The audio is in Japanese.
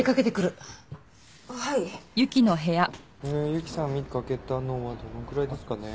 由紀さん見かけたのはどのくらいですかね？